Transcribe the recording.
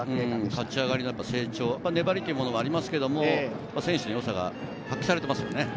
勝ち上がりの成長、粘りというのもありますが、選手のよさが発揮されていますよね。